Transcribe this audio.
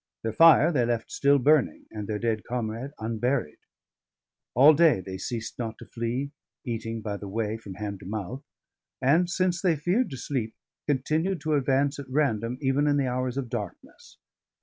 Their fire they left still burning, and their dead comrade unburied. All day they ceased not to flee, eating by the way, from hand to mouth; and since they feared to sleep, continued to advance at random even in the hours of darkness.